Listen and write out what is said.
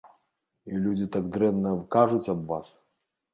І людзі так дрэнна кажуць аб вас.